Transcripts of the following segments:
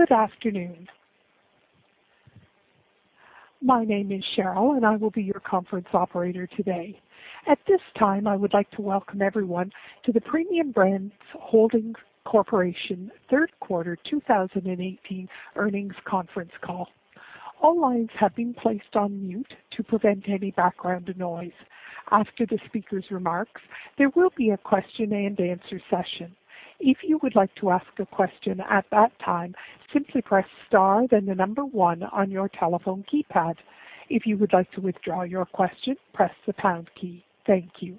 Good afternoon. My name is Cheryl, and I will be your conference operator today. At this time, I would like to welcome everyone to the Premium Brands Holdings Corporation third quarter 2018 earnings conference call. All lines have been placed on mute to prevent any background noise. After the speaker's remarks, there will be a question-and-answer session. If you would like to ask a question at that time, simply press star then the number 1 on your telephone keypad. If you would like to withdraw your question, press the pound key. Thank you.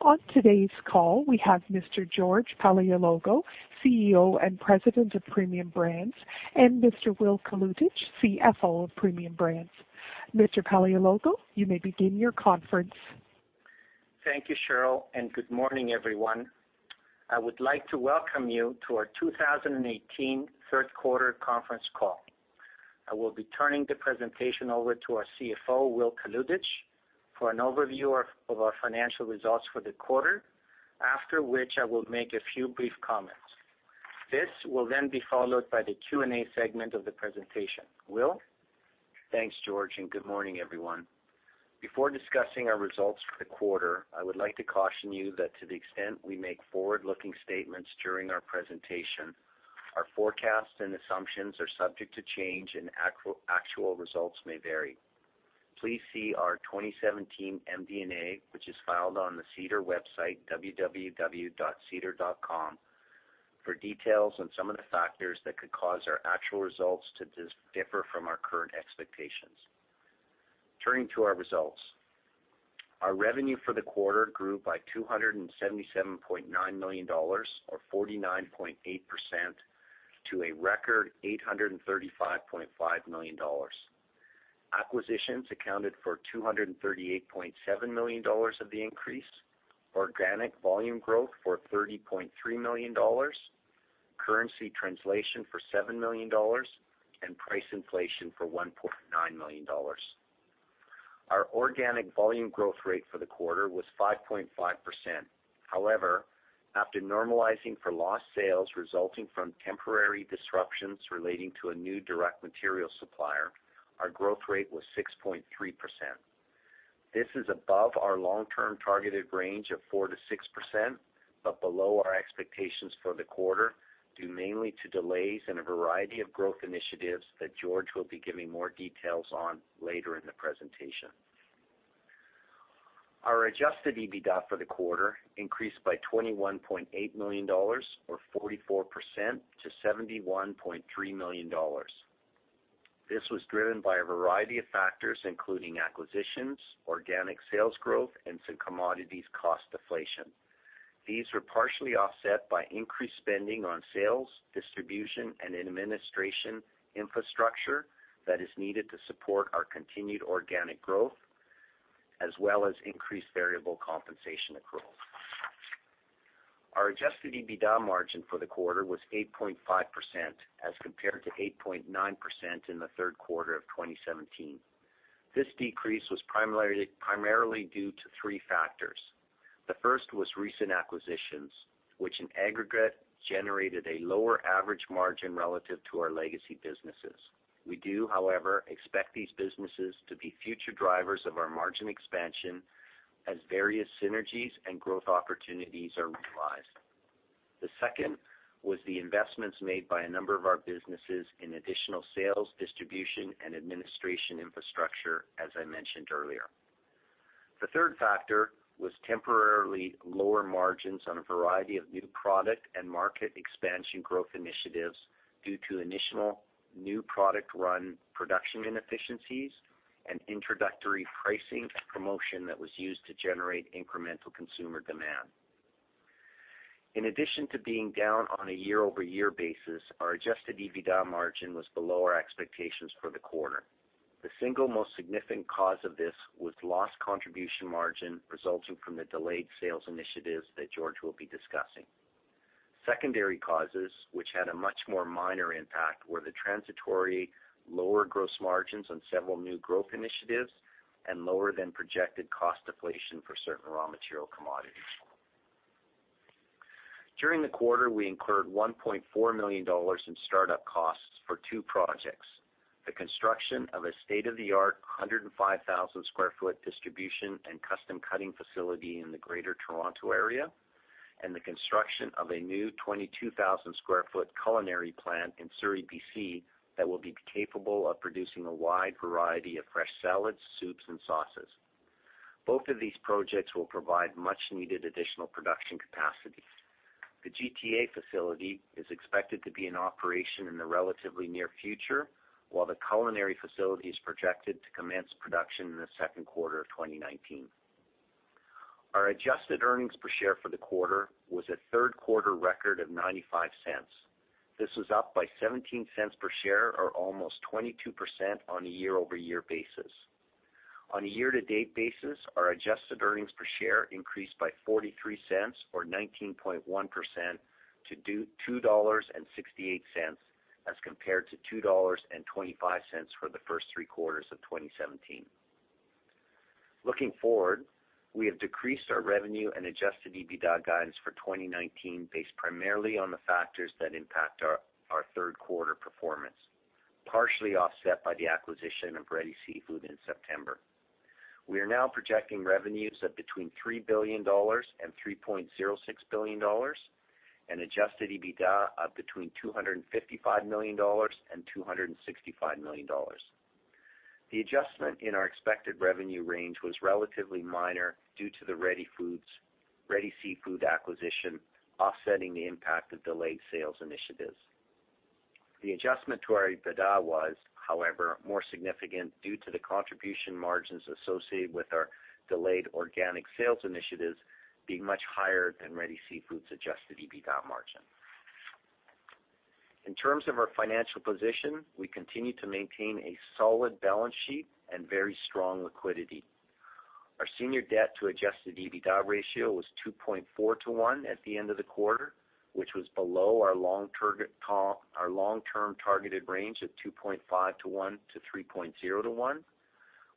On today's call, we have Mr. George Paleologou, CEO and President of Premium Brands, and Mr. Will Kalutycz, CFO of Premium Brands. Mr. Paleologou, you may begin your conference. Thank you, Cheryl, and Good morning, everyone. I would like to welcome you to our 2018 third quarter conference call. I will be turning the presentation over to our CFO, Will Kalutycz, for an overview of our financial results for the quarter, after which I will make a few brief comments. This will then be followed by the Q&A segment of the presentation. Will? Thanks, George, and Good morning, everyone. Before discussing our results for the quarter, I would like to caution you that to the extent we make forward-looking statements during our presentation, our forecasts and assumptions are subject to change and actual results may vary. Please see our 2017 MD&A, which is filed on the SEDAR website, www.sedar.com, for details on some of the factors that could cause our actual results to differ from our current expectations. Turning to our results. Our revenue for the quarter grew by 277.9 million dollars, or 49.8%, to a record 835.5 million dollars. Acquisitions accounted for 238.7 million dollars of the increase, organic volume growth for 30.3 million dollars, currency translation for 7 million dollars, and price inflation for 1.9 million dollars. Our organic volume growth rate for the quarter was 5.5%. However, after normalizing for lost sales resulting from temporary disruptions relating to a new direct material supplier, our growth rate was 6.3%. This is above our long-term targeted range of 4%-6%, but below our expectations for the quarter, due mainly to delays in a variety of growth initiatives that George will be giving more details on later in the presentation. Our adjusted EBITDA for the quarter increased by 21.8 million dollars, or 44%, to 71.3 million dollars. This was driven by a variety of factors, including acquisitions, organic sales growth, and some commodities cost deflation. These were partially offset by increased spending on sales, distribution, and administration infrastructure that is needed to support our continued organic growth, as well as increased variable compensation accruals. Our adjusted EBITDA margin for the quarter was 8.5%, as compared to 8.9% in the third quarter of 2017. This decrease was primarily due to three factors. The first was recent acquisitions, which in aggregate generated a lower average margin relative to our legacy businesses. We do, however, expect these businesses to be future drivers of our margin expansion as various synergies and growth opportunities are realized. The second was the investments made by a number of our businesses in additional sales, distribution, and administration infrastructure, as I mentioned earlier. The third factor was temporarily lower margins on a variety of new product and market expansion growth initiatives due to initial new product run production inefficiencies and introductory pricing promotion that was used to generate incremental consumer demand. In addition to being down on a year-over-year basis, our adjusted EBITDA margin was below our expectations for the quarter. The single most significant cause of this was lost contribution margin resulting from the delayed sales initiatives that George will be discussing. Secondary causes, which had a much more minor impact, were the transitory lower gross margins on several new growth initiatives and lower than projected cost deflation for certain raw material commodities. During the quarter, we incurred 1.4 million dollars in startup costs for two projects, the construction of a state-of-the-art 105,000 sq ft distribution and custom cutting facility in the Greater Toronto Area, and the construction of a new 22,000 sq ft culinary plant in Surrey, B.C. that will be capable of producing a wide variety of fresh salads, soups, and sauces. Both of these projects will provide much needed additional production capacity. The GTA facility is expected to be in operation in the relatively near future, while the culinary facility is projected to commence production in the second quarter of 2019. Our adjusted earnings per share for the quarter was a third quarter record of 0.95. This was up by 0.17 per share, or almost 22%, on a year-over-year basis. On a year-to-date basis, our adjusted earnings per share increased by 0.43, or 19.1%, to 2.68 dollars as compared to 2.25 dollars for the first three quarters of 2017. Looking forward, we have decreased our revenue and adjusted EBITDA guidance for 2019 based primarily on the factors that impact our third quarter performance, partially offset by the acquisition of Ready Seafood in September. We are now projecting revenues of between 3 billion dollars and 3.06 billion dollars and adjusted EBITDA of between 255 million dollars and 265 million dollars. The adjustment in our expected revenue range was relatively minor due to the Ready Seafood acquisition offsetting the impact of delayed sales initiatives. The adjustment to our EBITDA was, however, more significant due to the contribution margins associated with our delayed organic sales initiatives being much higher than Ready Seafood's adjusted EBITDA margin. In terms of our financial position, we continue to maintain a solid balance sheet and very strong liquidity. Our senior debt to adjusted EBITDA ratio was 2.4 to 1 at the end of the quarter, which was below our long-term targeted range of 2.5 to 1 to 3.0 to 1,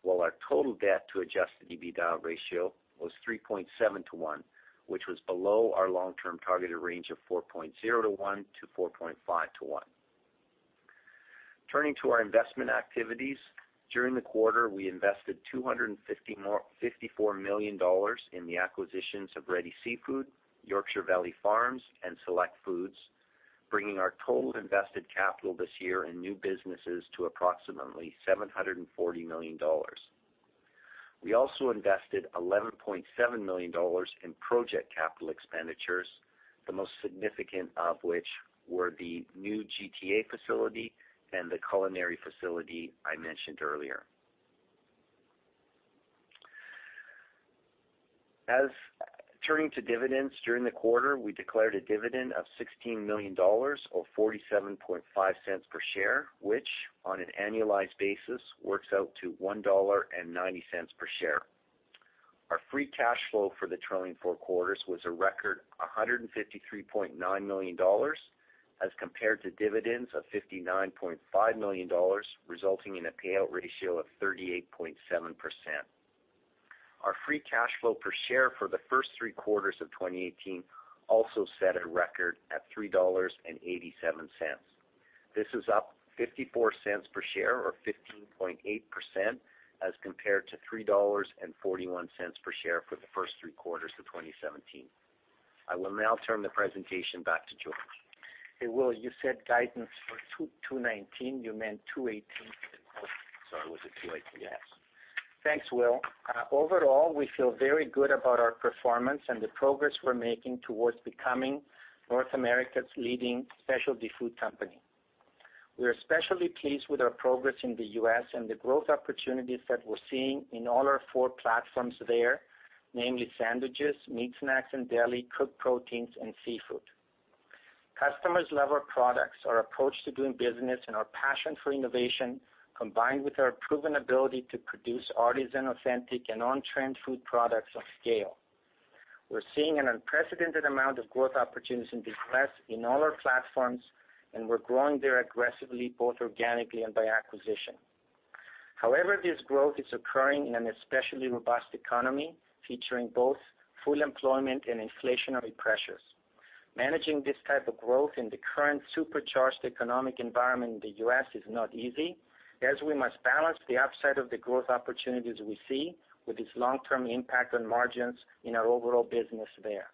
while our total debt to adjusted EBITDA ratio was 3.7 to 1, which was below our long-term targeted range of 4.0 to 1 to 4.5 to 1. Turning to our investment activities, during the quarter, we invested CAD $254 million in the acquisitions of Ready Seafood, Yorkshire Valley Farms and Select Food Products, bringing our total invested capital this year in new businesses to approximately CAD $740 million. We also invested CAD $11.7 million in project capital expenditures, the most significant of which were the new GTA facility and the culinary facility I mentioned earlier. Turning to dividends, during the quarter, we declared a dividend of CAD $16 million or CAD $0.475 per share, which on an annualized basis works out to CAD $1.90 per share. Our free cash flow for the trailing four quarters was a record CAD $153.9 million as compared to dividends of CAD $59.5 million, resulting in a payout ratio of 38.7%. Our free cash flow per share for the first three quarters of 2018 also set a record at CAD $3.87. This is up CAD $0.54 per share or 15.8% as compared to CAD $3.41 per share for the first three quarters of 2017. I will now turn the presentation back to George. Hey, Will, you said guidance for 2019, you meant 2018? Sorry, was it 2018? Yes. Thanks, Will. Overall, we feel very good about our performance and the progress we're making towards becoming North America's leading specialty food company. We are especially pleased with our progress in the U.S. and the growth opportunities that we're seeing in all our 4 platforms there, namely sandwiches, meat snacks, and deli cooked proteins and seafood. Customers love our products, our approach to doing business, and our passion for innovation, combined with our proven ability to produce artisan authentic and on-trend food products of scale. We're seeing an unprecedented amount of growth opportunities in the U.S. in all our platforms, and we're growing there aggressively, both organically and by acquisition. However, this growth is occurring in an especially robust economy, featuring both full employment and inflationary pressures. Managing this type of growth in the current supercharged economic environment in the U.S. is not easy, as we must balance the upside of the growth opportunities we see with its long-term impact on margins in our overall business there.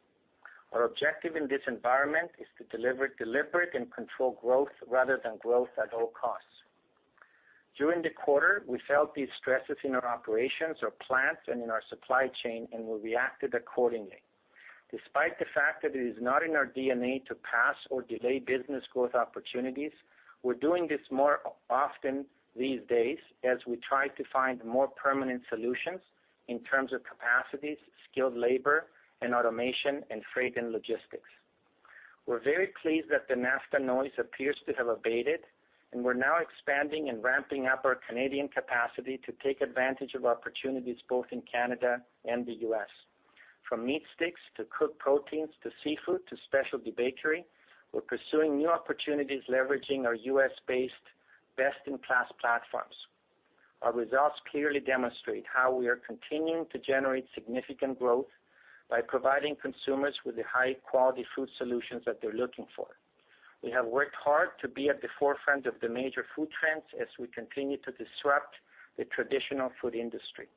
Our objective in this environment is to deliver deliberate and controlled growth rather than growth at all costs. During the quarter, we felt these stresses in our operations, our plants, and in our supply chain, and we reacted accordingly. Despite the fact that it is not in our DNA to pass or delay business growth opportunities, we're doing this more often these days as we try to find more permanent solutions in terms of capacities, skilled labor, and automation, and freight and logistics. We're very pleased that the NAFTA noise appears to have abated, and we're now expanding and ramping up our Canadian capacity to take advantage of opportunities both in Canada and the U.S. From meat sticks to cooked proteins to seafood to specialty bakery, we're pursuing new opportunities leveraging our U.S.-based best-in-class platforms. Our results clearly demonstrate how we are continuing to generate significant growth by providing consumers with the high-quality food solutions that they're looking for. We have worked hard to be at the forefront of the major food trends as we continue to disrupt the traditional food industry.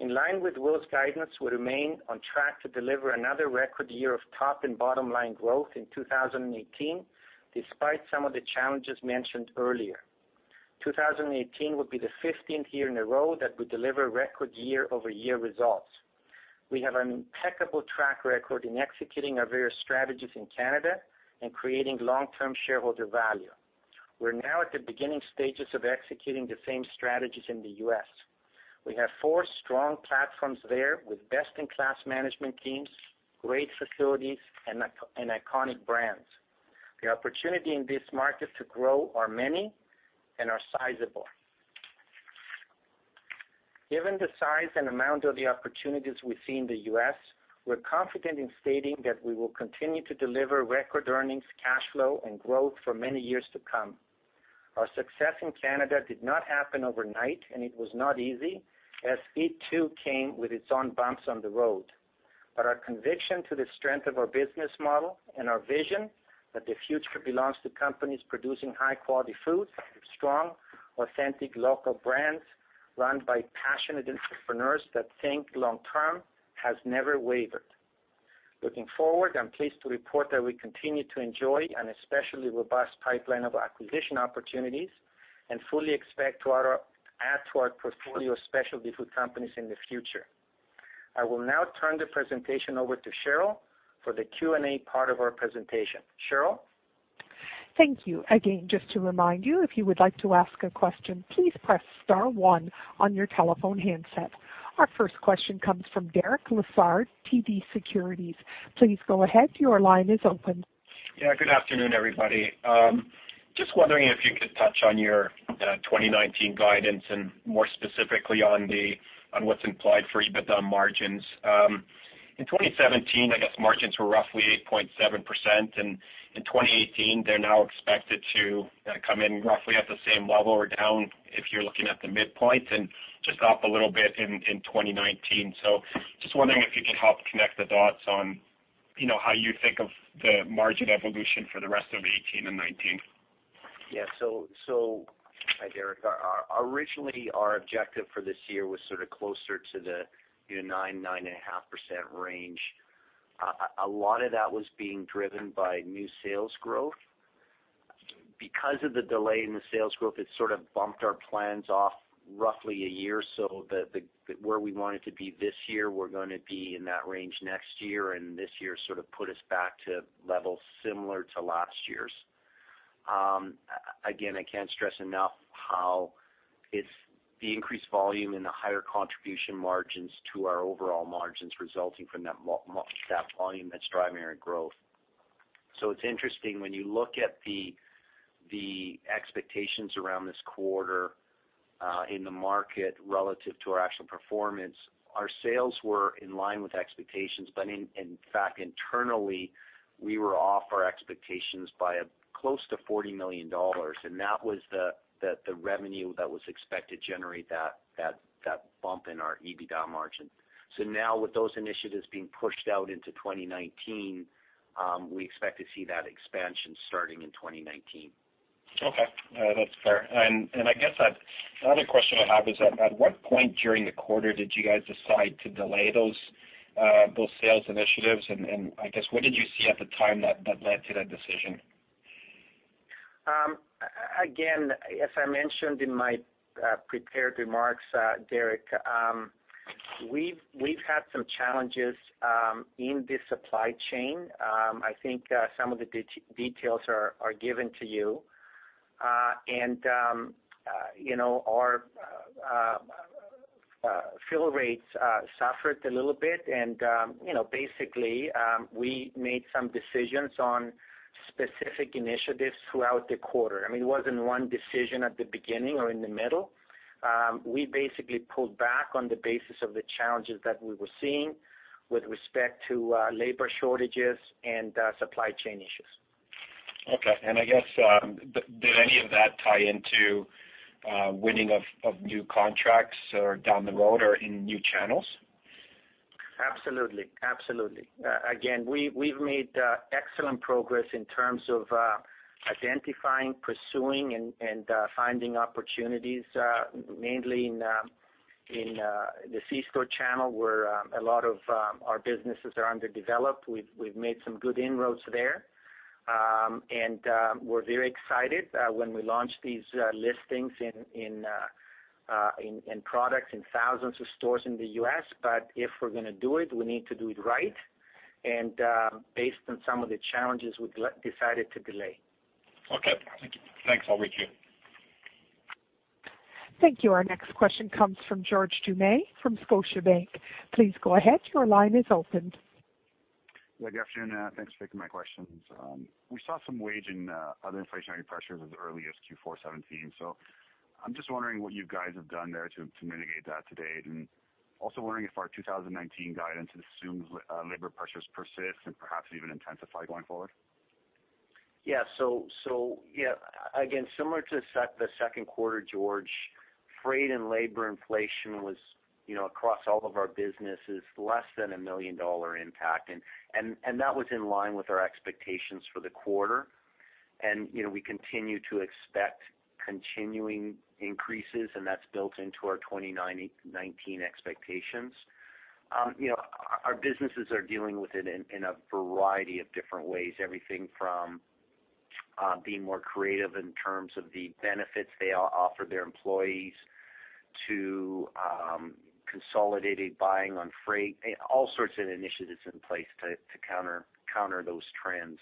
In line with Will's guidance, we remain on track to deliver another record year of top and bottom-line growth in 2018, despite some of the challenges mentioned earlier. 2018 will be the 15th year in a row that we deliver record year-over-year results. We have an impeccable track record in executing our various strategies in Canada and creating long-term shareholder value. We're now at the beginning stages of executing the same strategies in the U.S. We have 4 strong platforms there with best-in-class management teams, great facilities, and iconic brands. The opportunity in this market to grow are many and are sizable. Given the size and amount of the opportunities we see in the U.S., we're confident in stating that we will continue to deliver record earnings, cash flow and growth for many years to come. Our success in Canada did not happen overnight, it was not easy, as it too came with its own bumps on the road. Our conviction to the strength of our business model and our vision that the future belongs to companies producing high-quality food with strong, authentic local brands run by passionate entrepreneurs that think long-term has never wavered. Looking forward, I'm pleased to report that we continue to enjoy an especially robust pipeline of acquisition opportunities and fully expect to add to our portfolio of specialty food companies in the future. I will now turn the presentation over to Cheryl for the Q&A part of our presentation. Cheryl? Thank you. Again, just to remind you, if you would like to ask a question, please press star 1 on your telephone handset. Our first question comes from Derek Lessard, TD Securities. Please go ahead. Your line is open. Good afternoon, everybody. Just wondering if you could touch on your 2019 guidance and more specifically on what's implied for EBITDA margins. In 2017, I guess margins were roughly 8.7%, In 2018, they're now expected to come in roughly at the same level or down if you're looking at the midpoint and just up a little bit in 2019. Just wondering if you could help connect the dots on how you think of the margin evolution for the rest of 2018 and 2019. Hi, Derek. Originally, our objective for this year was sort of closer to the 9%, 9.5% range. A lot of that was being driven by new sales growth. Because of the delay in the sales growth, it sort of bumped our plans off roughly a year, where we wanted to be this year, we're going to be in that range next year, and this year sort of put us back to levels similar to last year's. Again, I can't stress enough how it's the increased volume and the higher contribution margins to our overall margins resulting from that volume that's driving our growth. It's interesting when you look at the expectations around this quarter in the market relative to our actual performance. Our sales were in line with expectations, in fact, internally, we were off our expectations by close to 40 million dollars, and that was the revenue that was expected to generate that bump in our EBITDA margin. Now with those initiatives being pushed out into 2019, we expect to see that expansion starting in 2019. Okay. That's fair. I guess the other question I have is at what point during the quarter did you guys decide to delay those sales initiatives, and I guess what did you see at the time that led to that decision? Again, as I mentioned in my prepared remarks, Derek, we've had some challenges in the supply chain. I think some of the details are given to you. Our fill rates suffered a little bit and basically, we made some decisions on specific initiatives throughout the quarter. It wasn't one decision at the beginning or in the middle. We basically pulled back on the basis of the challenges that we were seeing with respect to labor shortages and supply chain issues. Okay, I guess did any of that tie into winning of new contracts or down the road or in new channels? Absolutely. We've made excellent progress in terms of identifying, pursuing, and finding opportunities mainly in the C-store channel, where a lot of our businesses are underdeveloped. We've made some good inroads there. We're very excited when we launch these listings and products in thousands of stores in the U.S., but if we're going to do it, we need to do it right, based on some of the challenges, we decided to delay. Okay. Thank you. Thanks, Will. Thank you. Our next question comes from George Doumet from Scotiabank. Please go ahead. Your line is opened. Good afternoon. Thanks for taking my questions. We saw some wage and other inflationary pressures as early as Q4 2017, I'm just wondering what you guys have done there to mitigate that to date, also wondering if our 2019 guidance assumes labor pressures persist and perhaps even intensify going forward. Yeah. Again, similar to the second quarter, George, freight and labor inflation was across all of our businesses less than a 1 million dollar impact, and that was in line with our expectations for the quarter. We continue to expect continuing increases, and that's built into our 2019 expectations. Our businesses are dealing with it in a variety of different ways, everything from being more creative in terms of the benefits they offer their employees to consolidated buying on freight, all sorts of initiatives in place to counter those trends.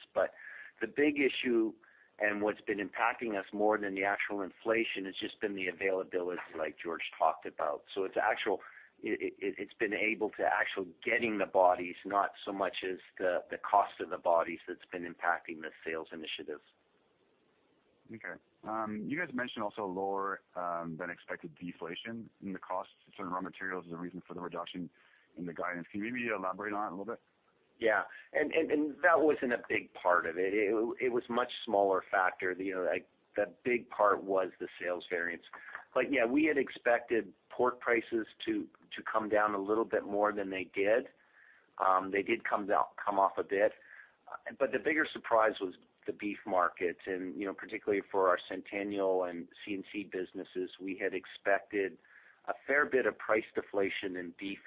The big issue and what's been impacting us more than the actual inflation has just been the availability, like George talked about. It's been able to actual getting the bodies, not so much as the cost of the bodies that's been impacting the sales initiatives. Okay. You guys mentioned also lower than expected deflation in the costs of certain raw materials as a reason for the reduction in the guidance. Can you maybe elaborate on it a little bit? Yeah. That wasn't a big part of it. It was much smaller factor. The big part was the sales variance. Yeah, we had expected pork prices to come down a little bit more than they did. They did come off a bit, but the bigger surprise was the beef market. Particularly for our Centennial and C&C businesses, we had expected a fair bit of price deflation in beef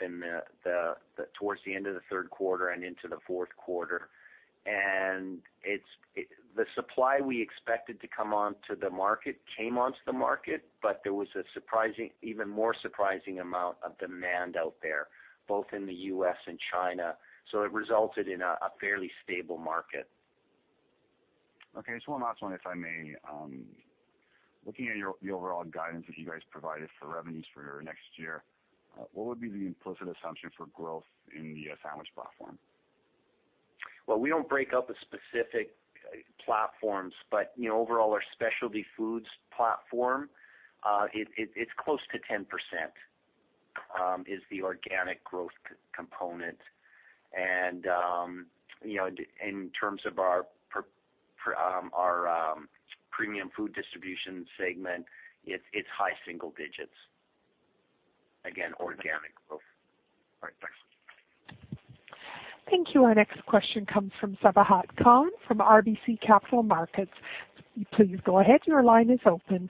towards the end of the third quarter and into the fourth quarter. The supply we expected to come onto the market came onto the market, but there was an even more surprising amount of demand out there, both in the U.S. and China. It resulted in a fairly stable market. Okay. Just one last one, if I may. Looking at the overall guidance that you guys provided for revenues for next year, what would be the implicit assumption for growth in the sandwich platform? We don't break up the specific platforms, but overall, our Specialty Foods platform, it's close to 10%, is the organic growth component. In terms of our Premium Food Distribution segment, it's high single digits. Again, organic growth. All right, thanks. Thank you. Our next question comes from Sabahat Khan from RBC Capital Markets. Please go ahead, your line is open.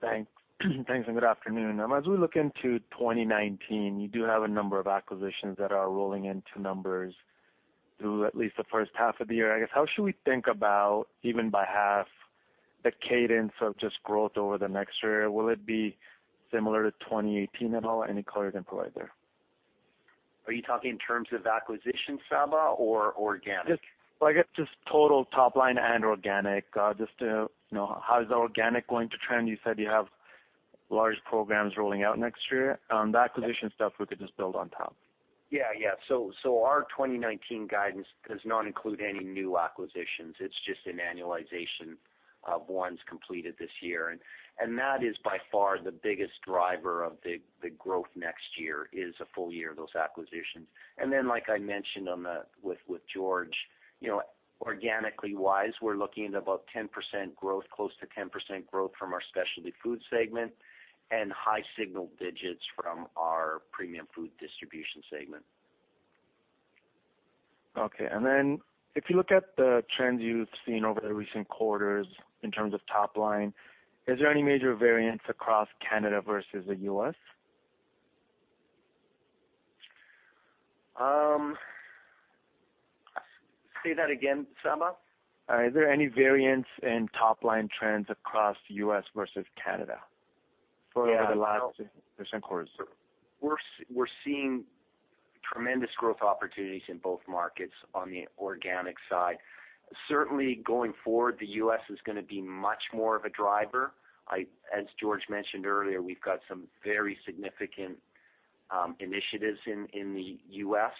Thanks, good afternoon. As we look into 2019, you do have a number of acquisitions that are rolling into numbers through at least the first half of the year, I guess. How should we think about, even by half, the cadence of just growth over the next year? Will it be similar to 2018 at all? Any color you can provide there? Are you talking in terms of acquisitions, Sabah, or organic? Well, I guess just total top line and organic, just to know how is the organic going to trend. You said you have large programs rolling out next year. The acquisition stuff we could just build on top. Yeah. Our 2019 guidance does not include any new acquisitions. It's just an annualization of ones completed this year, and that is by far the biggest driver of the growth next year, is a full year of those acquisitions. Like I mentioned with George, organically-wise, we're looking at about 10% growth, close to 10% growth from our Specialty Foods segment and high single digits from our Premium Food Distribution segment. Okay. If you look at the trends you've seen over the recent quarters in terms of top line, is there any major variance across Canada versus the U.S.? Say that again, Sabahat. Is there any variance in top-line trends across U.S. versus Canada for the last recent quarters? We're seeing tremendous growth opportunities in both markets on the organic side. Certainly, going forward, the U.S. is going to be much more of a driver. As George mentioned earlier, we've got some very significant initiatives in the U.S.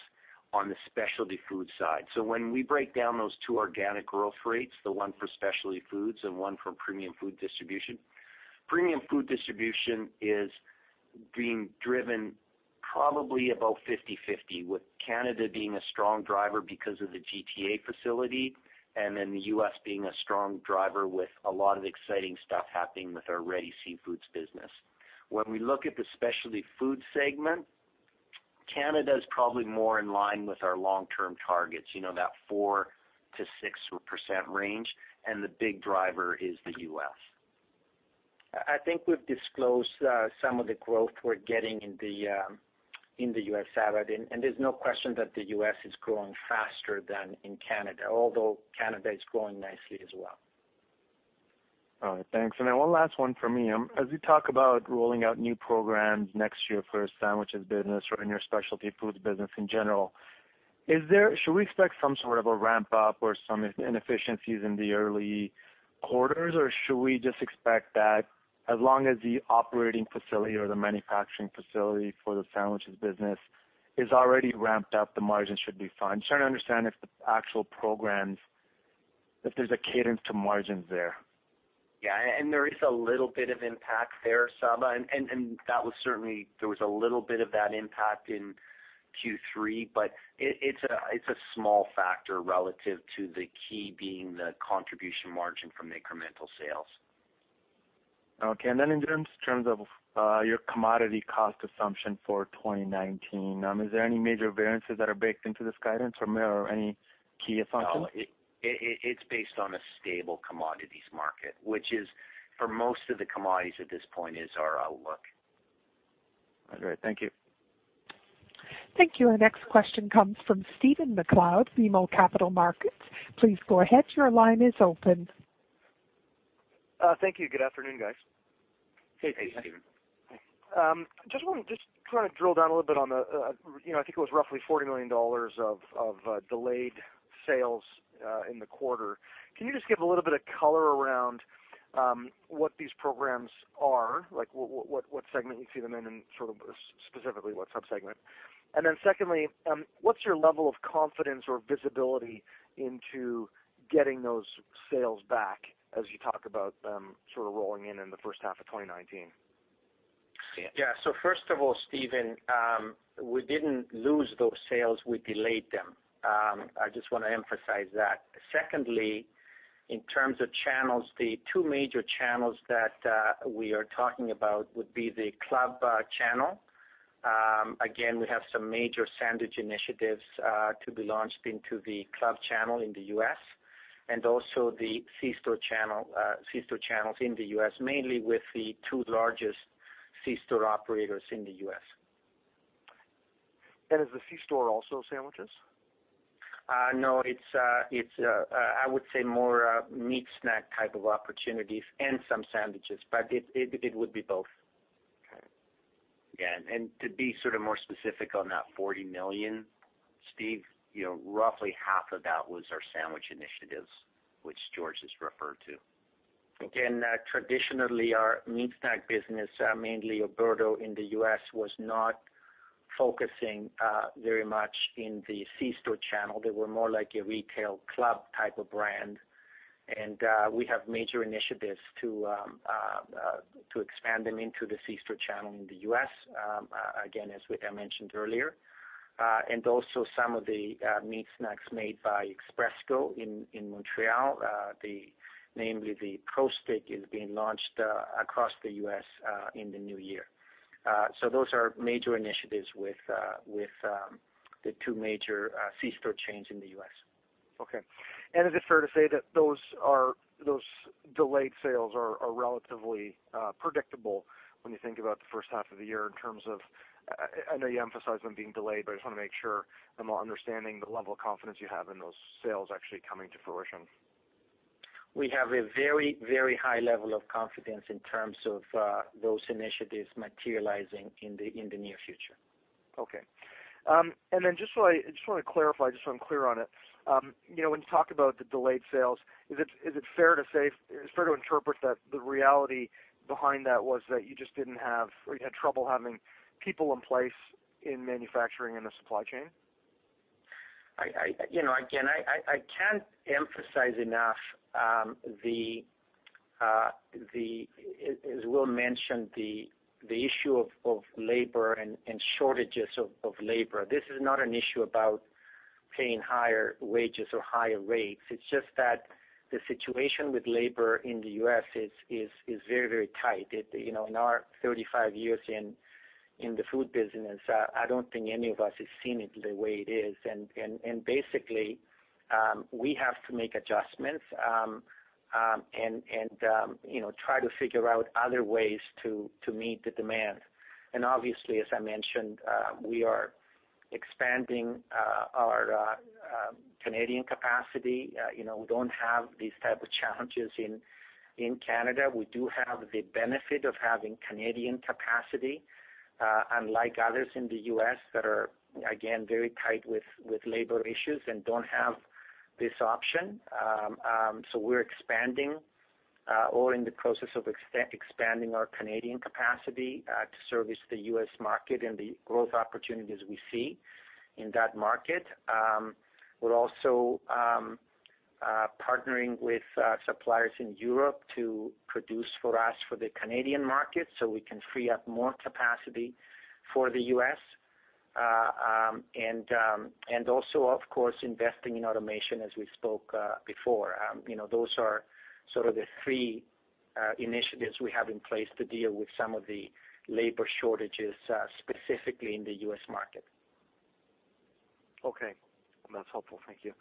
on the Specialty Foods side. So when we break down those two organic growth rates, the one for Specialty Foods and one for Premium Food Distribution, Premium Food Distribution is being driven probably about 50/50, with Canada being a strong driver because of the GTA facility, and then the U.S. being a strong driver with a lot of exciting stuff happening with our Ready Seafood business. When we look at the Specialty Foods segment, Canada is probably more in line with our long-term targets, that 4%-6% range, and the big driver is the U.S. I think we've disclosed some of the growth we're getting in the U.S., Sabahat, and there's no question that the U.S. is growing faster than in Canada, although Canada is growing nicely as well. All right, thanks. One last one from me. As we talk about rolling out new programs next year for the sandwiches business or in your Specialty Foods business in general, should we expect some sort of a ramp up or some inefficiencies in the early quarters, or should we just expect that as long as the operating facility or the manufacturing facility for the sandwiches business is already ramped up, the margins should be fine? Trying to understand if the actual programs, if there's a cadence to margins there. Yeah, there is a little bit of impact there, Sabahat, there was a little bit of that impact in Q3, but it's a small factor relative to the key being the contribution margin from incremental sales. Okay, in terms of your commodity cost assumption for 2019, is there any major variances that are baked into this guidance or any key assumptions? No, it's based on a stable commodities market, which is for most of the commodities at this point is our outlook. All right, thank you. Thank you. Our next question comes from Stephen MacLeod, BMO Capital Markets. Please go ahead, your line is open. Thank you. Good afternoon, guys. Hey, Stephen. Hey. I just want to try to drill down a little bit on the, I think it was roughly 40 million dollars of delayed sales in the quarter. Can you just give a little bit of color around what these programs are? What segment you see them in, and sort of specifically what sub-segment? Secondly, what's your level of confidence or visibility into getting those sales back as you talk about them sort of rolling in the first half of 2019? First of all, Stephen, we didn't lose those sales, we delayed them. I just want to emphasize that. Secondly, in terms of channels, the two major channels that we are talking about would be the club channel. Again, we have some major sandwich initiatives to be launched into the club channel in the U.S., and also the C-store channels in the U.S., mainly with the two largest C-store operators in the U.S. Is the C-store also sandwiches? No, it's, I would say, more meat snack type of opportunities and some sandwiches, but it would be both. Okay. Yeah, to be more specific on that 40 million, Steve, roughly half of that was our sandwich initiatives, which George has referred to. Again, traditionally our meat snack business, mainly Oberto in the U.S., was not focusing very much in the C-store channel. They were more like a retail club type of brand, we have major initiatives to expand them into the C-store channel in the U.S., again, as I mentioned earlier. Also some of the meat snacks made by Expresco in Montreal, namely the ProStick, is being launched across the U.S. in the new year. Those are major initiatives with the two major C-store chains in the U.S. Okay. Is it fair to say that those delayed sales are relatively predictable when you think about the first half of the year in terms of, I know you emphasized them being delayed, but I just want to make sure I'm understanding the level of confidence you have in those sales actually coming to fruition. We have a very, very high level of confidence in terms of those initiatives materializing in the near future. I just want to clarify, just so I'm clear on it. When you talk about the delayed sales, is it fair to interpret that the reality behind that was that you just didn't have, or you had trouble having people in place in manufacturing in the supply chain? Again, I can't emphasize enough the, as Will mentioned, the issue of labor and shortages of labor. This is not an issue about paying higher wages or higher rates. It's just that the situation with labor in the U.S. is very, very tight. In our 35 years in the food business, I don't think any of us has seen it the way it is. Basically, we have to make adjustments, and try to figure out other ways to meet the demand. Obviously, as I mentioned, we are expanding our Canadian capacity. We don't have these type of challenges in Canada. We do have the benefit of having Canadian capacity, unlike others in the U.S. that are, again, very tight with labor issues and don't have this option. We're expanding, or in the process of expanding our Canadian capacity to service the U.S. market and the growth opportunities we see in that market. We're also partnering with suppliers in Europe to produce for us for the Canadian market so we can free up more capacity for the U.S. Also, of course, investing in automation as we spoke before. Those are sort of the three initiatives we have in place to deal with some of the labor shortages, specifically in the U.S. market. That's helpful. Thank you.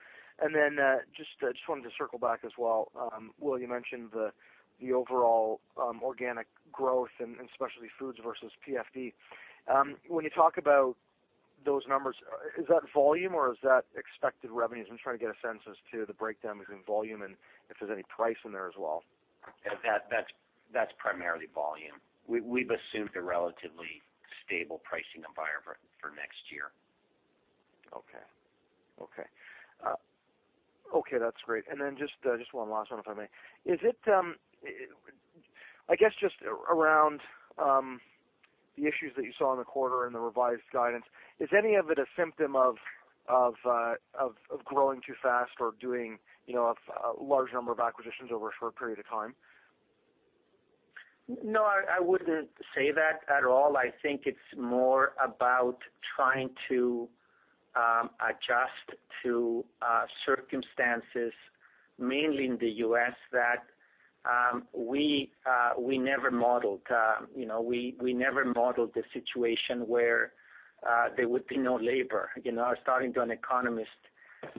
Just wanted to circle back as well. Will, you mentioned the overall organic growth in Specialty Foods versus PFD. When you talk about those numbers, is that volume or is that expected revenues? I'm trying to get a sense as to the breakdown between volume and if there's any price in there as well. That's primarily volume. We've assumed a relatively stable pricing environment for next year. Okay. That's great. Then just one last one, if I may. I guess, just around the issues that you saw in the quarter and the revised guidance, is any of it a symptom of growing too fast or doing a large number of acquisitions over a short period of time? No, I wouldn't say that at all. I think it's more about trying to adjust to circumstances, mainly in the U.S., that we never modeled. We never modeled the situation where there would be no labor. I was talking to an economist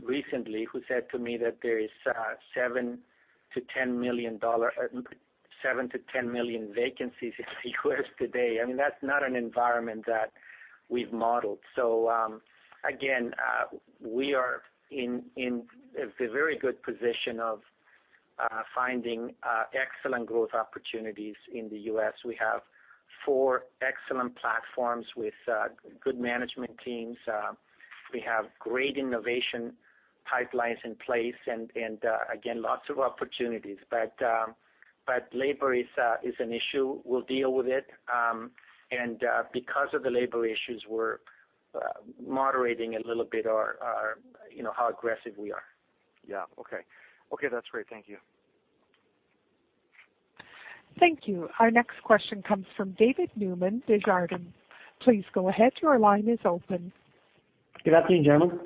recently who said to me that there is seven to 10 million vacancies in the U.S. today. I mean, that's not an environment that we've modeled. Again, we are in the very good position of finding excellent growth opportunities in the U.S. We have four excellent platforms with good management teams. We have great innovation pipelines in place and again, lots of opportunities. Labor is an issue. We'll deal with it. Because of the labor issues, we're moderating a little bit how aggressive we are. Yeah. Okay. Okay, that's great. Thank you. Thank you. Our next question comes from David Newman, Desjardins. Please go ahead. Your line is open. Good afternoon, gentlemen.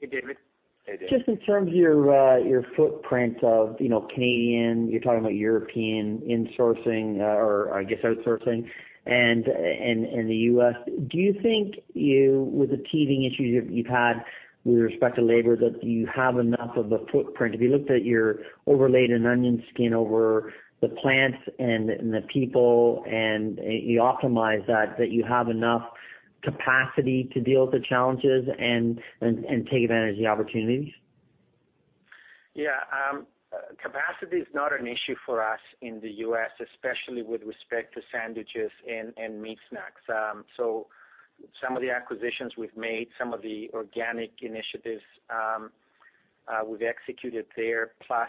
Hey, David. Hey, David. Just in terms of your footprint of Canadian, you're talking about European insourcing or I guess outsourcing and the U.S., do you think you, with the teething issues you've had with respect to labor, that you have enough of a footprint? If you looked at your overlaid and onion skin over the plants and the people and you optimize that you have enough capacity to deal with the challenges and take advantage of the opportunities? Yeah. Capacity is not an issue for us in the U.S., especially with respect to sandwiches and meat snacks. Some of the acquisitions we've made, some of the organic initiatives, we've executed there, plus,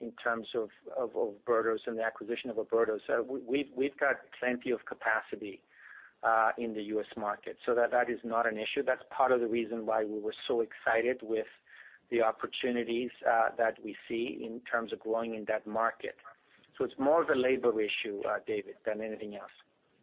in terms of Oberto and the acquisition of Oberto, we've got plenty of capacity in the U.S. market. That is not an issue. That's part of the reason why we were so excited with the opportunities that we see in terms of growing in that market. It's more of a labor issue, David, than anything else.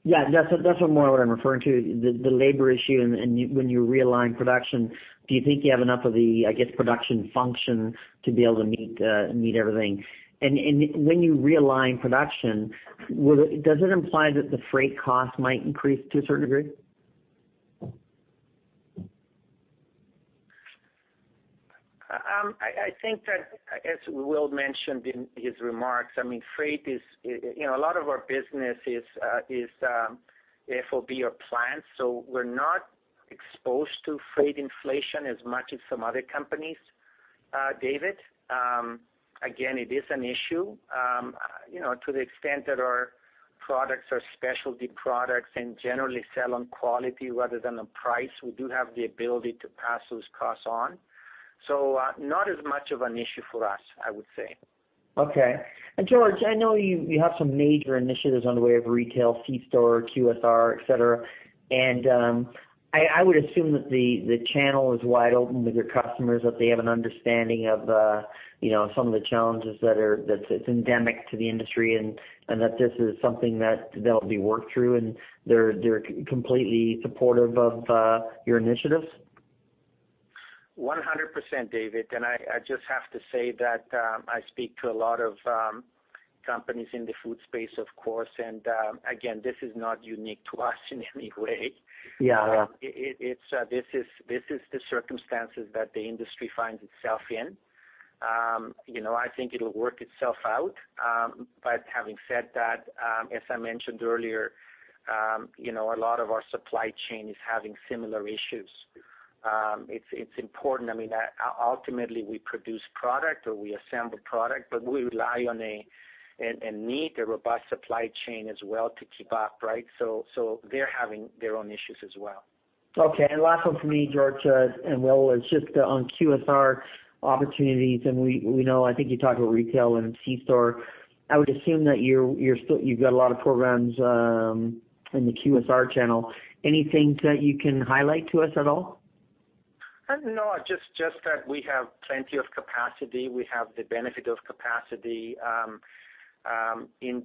Yeah, that's more what I'm referring to, the labor issue and when you realign production, do you think you have enough of the, I guess, production function to be able to meet everything? When you realign production, does it imply that the freight cost might increase to a certain degree? I think that as Will mentioned in his remarks, a lot of our business is FOB or plant, we're not exposed to freight inflation as much as some other companies, David. Again, it is an issue, to the extent that our products are specialty products and generally sell on quality rather than on price. We do have the ability to pass those costs on. Not as much of an issue for us, I would say. Okay. George, I know you have some major initiatives on the way of retail, C-store, QSR, et cetera, I would assume that the channel is wide open with your customers, that they have an understanding of some of the challenges that's endemic to the industry and that this is something that they'll be worked through and they're completely supportive of your initiatives? 100%, David. I just have to say that, I speak to a lot of companies in the food space, of course, and, again, this is not unique to us in any way. Yeah. This is the circumstances that the industry finds itself in. I think it'll work itself out. Having said that, as I mentioned earlier, a lot of our supply chain is having similar issues. It's important, ultimately we produce product or we assemble product, but we rely on and need a robust supply chain as well to keep up, right? They're having their own issues as well. Okay. Last one from me, George, and Will, it's just on QSR opportunities, and we know, I think you talked about retail and C store. I would assume that you've got a lot of programs in the QSR channel. Anything that you can highlight to us at all? No, just that we have plenty of capacity. We have the benefit of capacity. In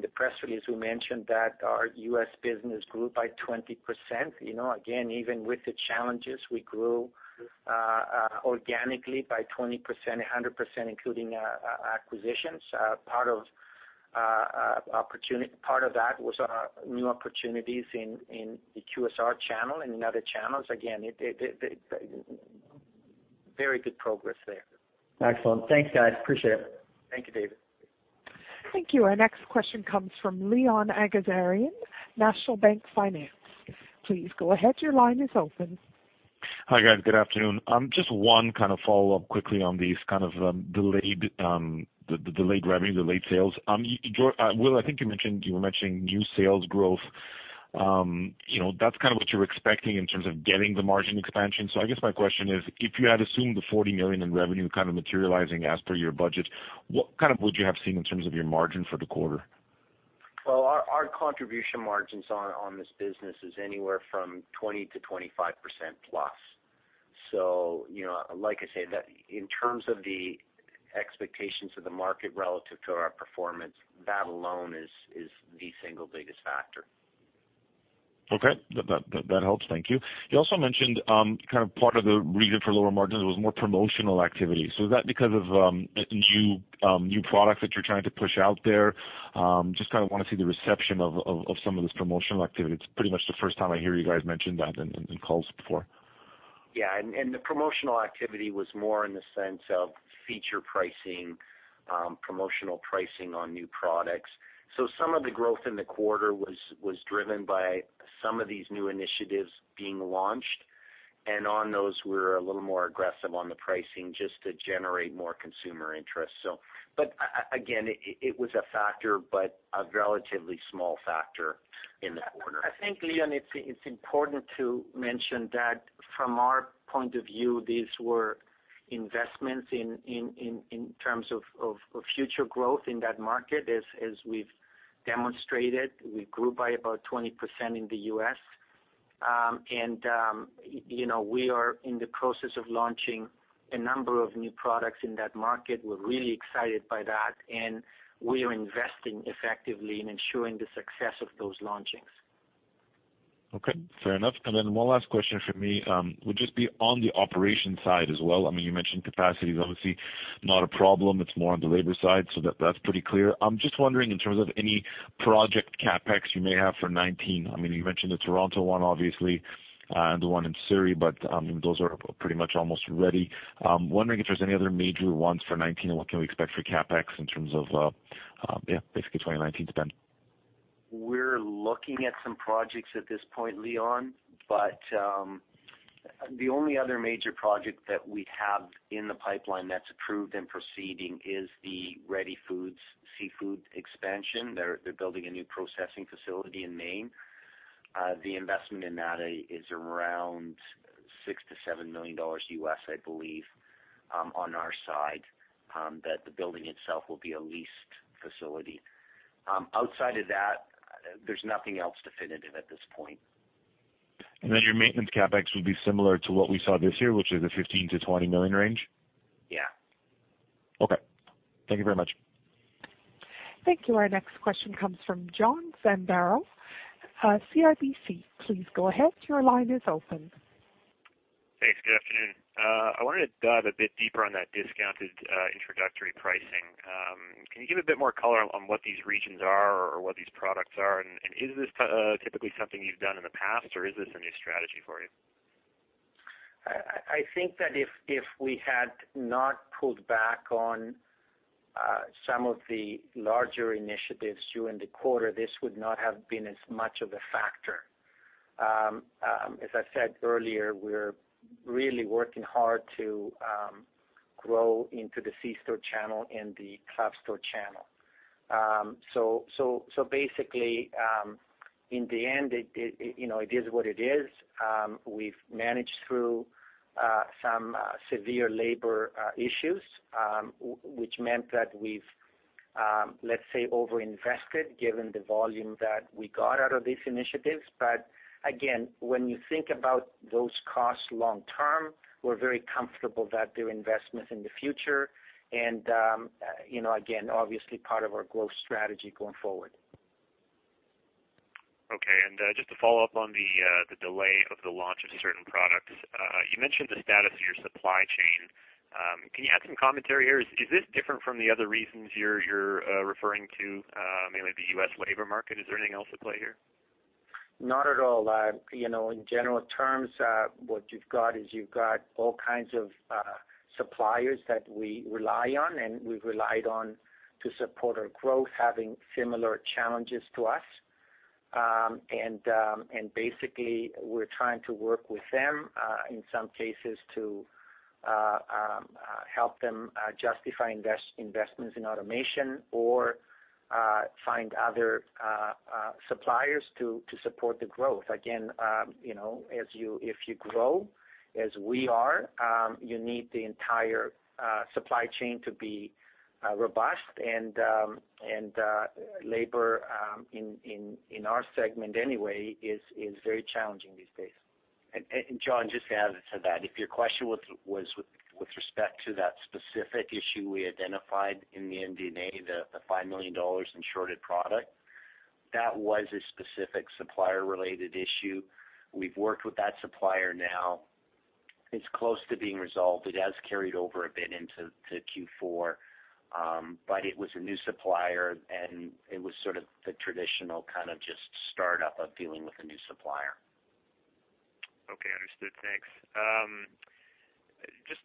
the press release, we mentioned that our U.S. business grew by 20%. Again, even with the challenges, we grew organically by 20%, 100% including acquisitions. Part of that was our new opportunities in the QSR channel and in other channels. Again, very good progress there. Excellent. Thanks, guys. Appreciate it. Thank you, David. Thank you. Our next question comes from Leon Aghazarian, National Bank Financial. Please go ahead. Your line is open. Hi, guys. Good afternoon. Just one kind of follow-up quickly on these kind of delayed revenue, delayed sales. Will, I think you were mentioning new sales growth. That's kind of what you're expecting in terms of getting the margin expansion. I guess my question is, if you had assumed the 40 million in revenue kind of materializing as per your budget, what would you have seen in terms of your margin for the quarter? Well, our contribution margins on this business is anywhere from 20%-25% plus. Like I say, in terms of the expectations of the market relative to our performance, that alone is the single biggest factor. Okay. That helps. Thank you. You also mentioned, kind of part of the reason for lower margins was more promotional activity. Is that because of new products that you're trying to push out there? Just kind of want to see the reception of some of this promotional activity. It's pretty much the first time I hear you guys mention that in calls before. Yeah, the promotional activity was more in the sense of feature pricing, promotional pricing on new products. Some of the growth in the quarter was driven by some of these new initiatives being launched, on those we're a little more aggressive on the pricing just to generate more consumer interest. Again, it was a factor, but a relatively small factor in the quarter. I think, Leon, it's important to mention that from our point of view, these were investments in terms of future growth in that market. As we've demonstrated, we grew by about 20% in the U.S. We are in the process of launching a number of new products in that market. We're really excited by that. We are investing effectively in ensuring the success of those launchings. Okay, fair enough. One last question from me, would just be on the operation side as well. You mentioned capacity is obviously not a problem, it's more on the labor side. That's pretty clear. I'm just wondering in terms of any project CapEx you may have for 2019. You mentioned the Toronto one, obviously, and the one in Surrey, but those are pretty much almost ready. I'm wondering if there's any other major ones for 2019. What can we expect for CapEx in terms of, basically 2019 spend? We're looking at some projects at this point, Leon, the only other major project that we have in the pipeline that's approved and proceeding is the Ready Seafood seafood expansion. They're building a new processing facility in Maine. The investment in that is around 6 million to 7 million dollars I believe, on our side, that the building itself will be a leased facility. Outside of that, there's nothing else definitive at this point. Your maintenance CapEx will be similar to what we saw this year, which is a 15 million to 20 million range? Yeah. Okay. Thank you very much. Thank you. Our next question comes from John Zamparo, CIBC. Please go ahead. Your line is open. Thanks. Good afternoon. I wanted to dive a bit deeper on that discounted introductory pricing. Can you give a bit more color on what these regions are or what these products are? Is this typically something you've done in the past, or is this a new strategy for you? I think that if we had not pulled back on some of the larger initiatives during the quarter, this would not have been as much of a factor. As I said earlier, we're really working hard to grow into the C-store channel and the club store channel. Basically, in the end, it is what it is. We've managed through some severe labor issues, which meant that we've, let's say, over-invested given the volume that we got out of these initiatives. Again, when you think about those costs long term, we're very comfortable that they're investments in the future and, again, obviously part of our growth strategy going forward. Just to follow up on the delay of the launch of certain products. You mentioned the status of your supply chain. Can you add some commentary here? Is this different from the other reasons you're referring to, mainly the U.S. labor market? Is there anything else at play here? Not at all. In general terms, what you've got is you've got all kinds of suppliers that we rely on and we've relied on to support our growth having similar challenges to us. Basically, we're trying to work with them, in some cases to help them justify investments in automation or find other suppliers to support the growth. Again, if you grow, as we are, you need the entire supply chain to be robust and labor, in our segment anyway, is very challenging these days. John, just to add to that, if your question was with respect to that specific issue we identified in the MD&A, the 5 million dollars in shorted product, that was a specific supplier-related issue. We've worked with that supplier now. It's close to being resolved. It has carried over a bit into Q4, but it was a new supplier, and it was sort of the traditional kind of just startup of dealing with a new supplier. Okay, understood. Thanks. Just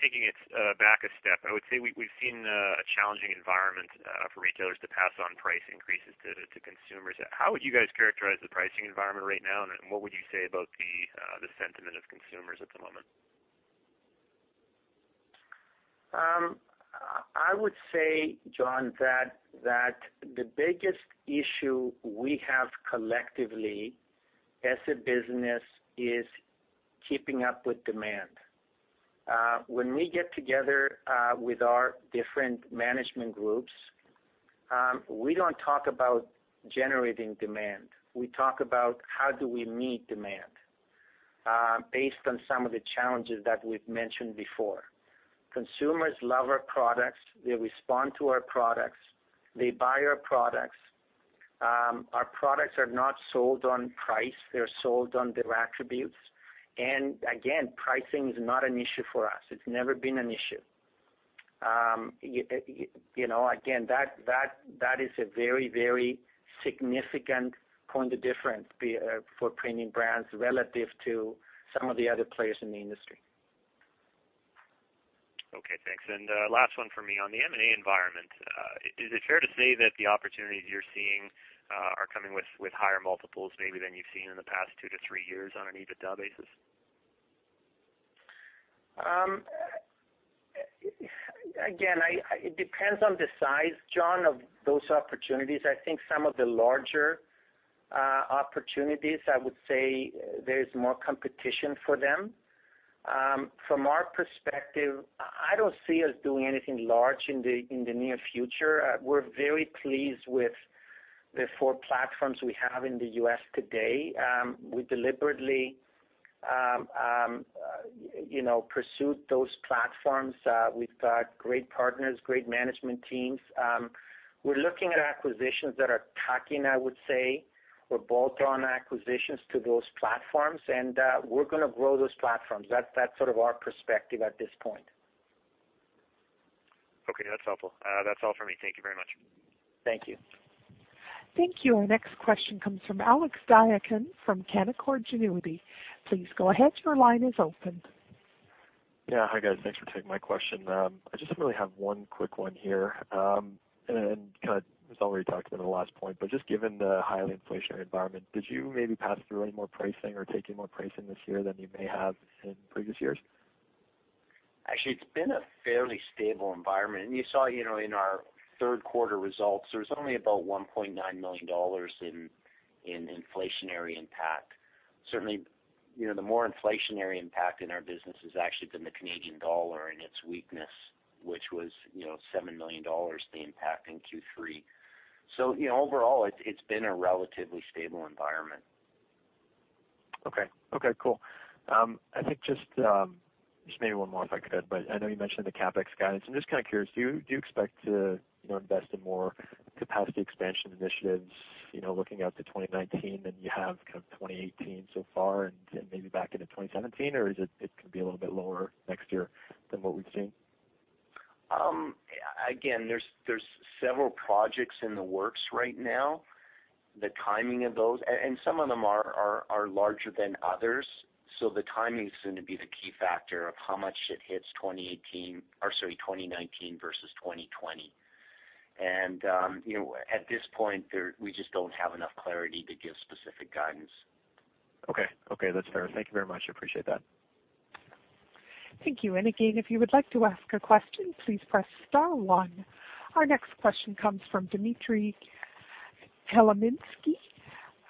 taking it back a step, I would say we've seen a challenging environment for retailers to pass on price increases to consumers. How would you guys characterize the pricing environment right now, and what would you say about the sentiment of consumers at the moment? I would say, John, that the biggest issue we have collectively as a business is keeping up with demand. When we get together with our different management groups, we don't talk about generating demand. We talk about how do we meet demand based on some of the challenges that we've mentioned before. Consumers love our products. They respond to our products. They buy our products. Our products are not sold on price. They're sold on their attributes. Again, pricing is not an issue for us. It's never been an issue. Again, that is a very, very significant point of difference for Premium Brands relative to some of the other players in the industry. Okay, thanks. Last one for me on the M&A environment. Is it fair to say that the opportunities you're seeing are coming with higher multiples maybe than you've seen in the past two to three years on an EBITDA basis? Again, it depends on the size, John, of those opportunities. I think some of the larger opportunities, I would say there is more competition for them. From our perspective, I don't see us doing anything large in the near future. We're very pleased with the four platforms we have in the U.S. today. We deliberately pursued those platforms. We've got great partners, great management teams. We're looking at acquisitions that are tacking, I would say, or bolt-on acquisitions to those platforms, we're going to grow those platforms. That's our perspective at this point. Okay. No, that's helpful. That's all for me. Thank you very much. Thank you. Thank you. Our next question comes from Alex Pardy from Canaccord Genuity. Please go ahead. Your line is open. Yeah. Hi, guys. Thanks for taking my question. I just really have one quick one here. It was already talked about in the last point, but just given the highly inflationary environment, did you maybe pass through any more pricing or take any more pricing this year than you may have in previous years? Actually, it's been a fairly stable environment. You saw in our third quarter results, there's only about 1.9 million dollars in inflationary impact. Certainly, the more inflationary impact in our business has actually been the Canadian dollar and its weakness, which was 7 million dollars, the impact in Q3. Overall, it's been a relatively stable environment. Okay. Cool. I think just maybe one more if I could. I know you mentioned the CapEx guidance. I'm just kind of curious, do you expect to invest in more capacity expansion initiatives, looking out to 2019 than you have 2018 so far and maybe back into 2017? It could be a little bit lower next year than what we've seen? Again, there's several projects in the works right now. The timing of those. Some of them are larger than others, so the timing is going to be the key factor of how much it hits 2018, or sorry, 2019 versus 2020. At this point, we just don't have enough clarity to give specific guidance. Okay. That's fair. Thank you very much. Appreciate that. Thank you. Again, if you would like to ask a question, please press star one. Our next question comes from Dimitry Khmelnitsky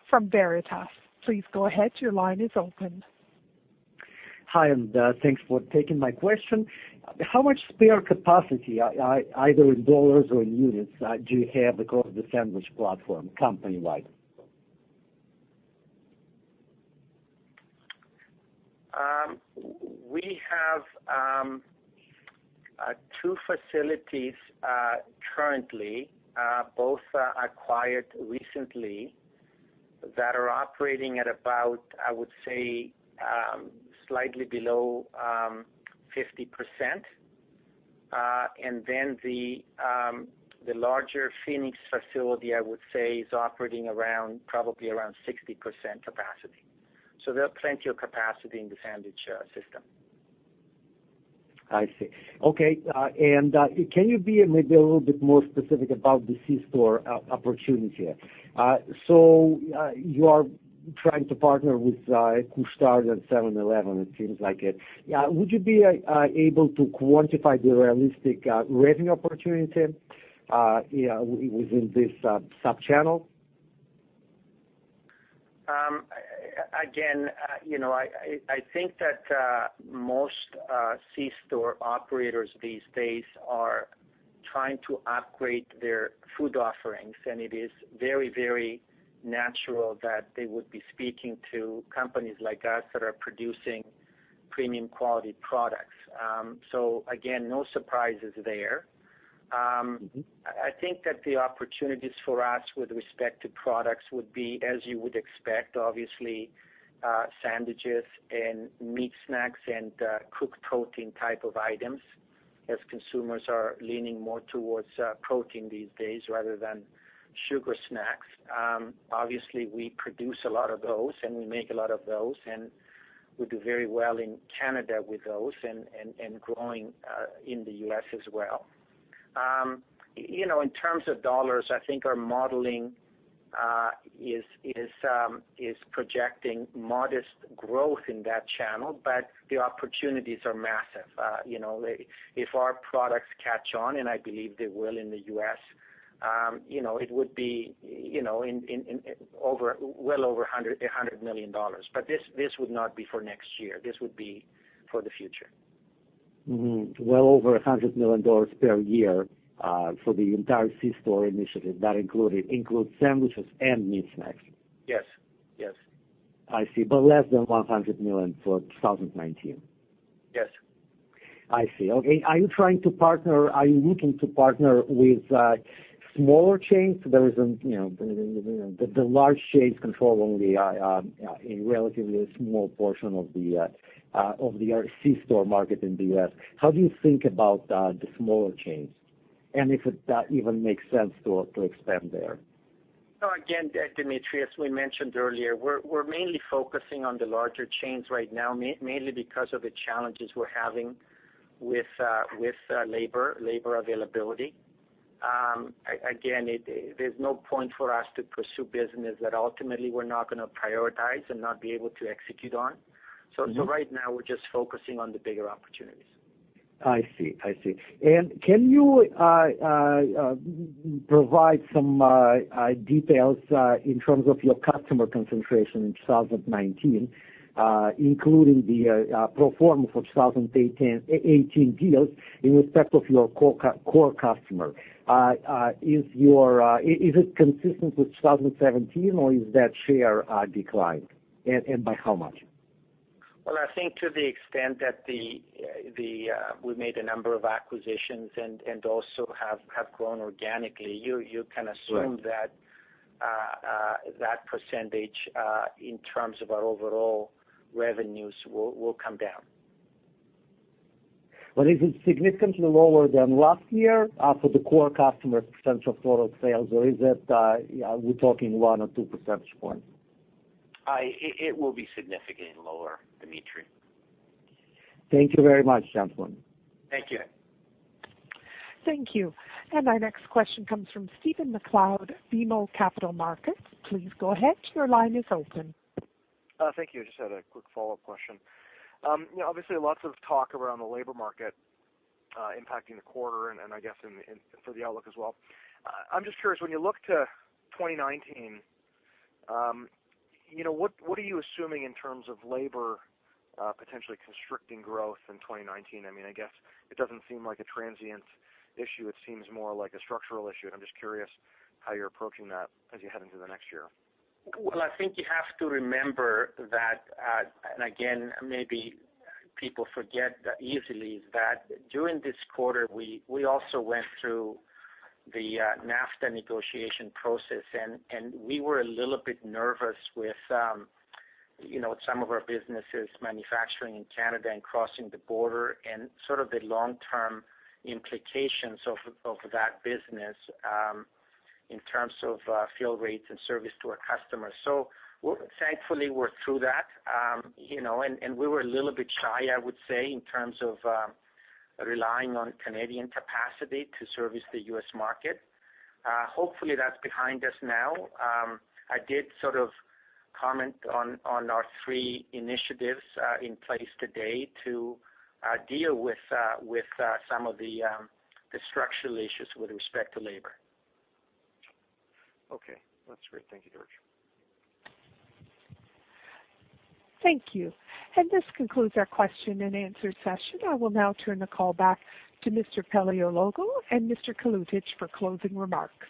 from Veritas. Please go ahead. Your line is open. Hi, thanks for taking my question. How much spare capacity, either in dollars or in units, do you have across the sandwich platform company-wide? We have two facilities currently, both acquired recently, that are operating at about, I would say, slightly below 50%. The larger Phoenix facility, I would say, is operating around probably 60% capacity. There are plenty of capacity in the sandwich system. I see. Okay. Can you be maybe a little bit more specific about the C-store opportunity? You are trying to partner with Couche-Tard and 7-Eleven, it seems like it. Would you be able to quantify the realistic revenue opportunity within this sub-channel? Again, I think that most C-store operators these days are trying to upgrade their food offerings, and it is very natural that they would be speaking to companies like us that are producing premium quality products. Again, no surprises there. I think that the opportunities for us with respect to products would be, as you would expect, obviously, sandwiches and meat snacks and cooked protein type of items, as consumers are leaning more towards protein these days rather than sugar snacks. Obviously, we produce a lot of those, and we make a lot of those, and we do very well in Canada with those and growing in the U.S. as well. In terms of dollars, I think our modeling is projecting modest growth in that channel. The opportunities are massive. If our products catch on, and I believe they will in the U.S., it would be well over $100 million. This would not be for next year. This would be for the future. Well over $100 million per year for the entire C-store initiative. That includes sandwiches and meat snacks? Yes. I see. Less than $100 million for 2019? Yes. I see. Okay. Are you looking to partner with smaller chains? The large chains control only a relatively small portion of the C-store market in the U.S. How do you think about the smaller chains? If that even makes sense to expand there? Dimitry, as we mentioned earlier, we're mainly focusing on the larger chains right now, mainly because of the challenges we're having with labor availability. Again, there's no point for us to pursue business that ultimately we're not going to prioritize and not be able to execute on. Right now, we're just focusing on the bigger opportunities. I see. Can you provide some details in terms of your customer concentration in 2019, including the pro forma for 2018 deals in respect of your core customer? Is it consistent with 2017 or is that share declined, and by how much? I think to the extent that we made a number of acquisitions and also have grown organically, you can assume that percentage in terms of our overall revenues will come down. Is it significantly lower than last year for the core customer percentage of total sales, or are we talking one or two percentage points? It will be significantly lower, Dimitry. Thank you very much, gentlemen. Thank you. Thank you. Our next question comes from Stephen MacLeod, BMO Capital Markets. Please go ahead. Your line is open. Thank you. I just had a quick follow-up question. Obviously, lots of talk around the labor market impacting the quarter and I guess for the outlook as well. I'm just curious, when you look to 2019, what are you assuming in terms of labor potentially constricting growth in 2019? I guess it doesn't seem like a transient issue. It seems more like a structural issue, and I'm just curious how you're approaching that as you head into the next year. Well, I think you have to remember that, again, maybe people forget easily, that during this quarter, we also went through the NAFTA negotiation process, we were a little bit nervous with some of our businesses manufacturing in Canada and crossing the border and sort of the long-term implications of that business in terms of fill rates and service to our customers. Thankfully, we're through that. We were a little bit shy, I would say, in terms of relying on Canadian capacity to service the U.S. market. Hopefully that's behind us now. I did sort of comment on our three initiatives in place today to deal with some of the structural issues with respect to labor. Okay, that's great. Thank you very much. Thank you. This concludes our question and answer session. I will now turn the call back to Mr. Paleologou and Mr. Kalutycz for closing remarks.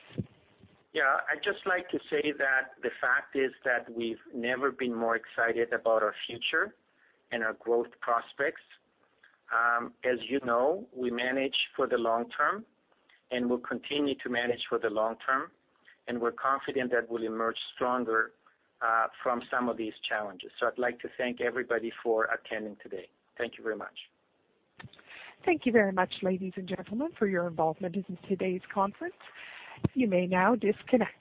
Yeah, I'd just like to say that the fact is that we've never been more excited about our future and our growth prospects. As you know, we manage for the long term, and we'll continue to manage for the long term, and we're confident that we'll emerge stronger from some of these challenges. I'd like to thank everybody for attending today. Thank you very much. Thank you very much, ladies and gentlemen, for your involvement in today's conference. You may now disconnect.